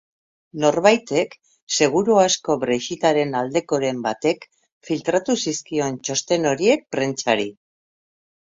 Norbaitek, seguru asko brexit-aren aldekoren batek, filtratu zizkion txosten horiek prentsari.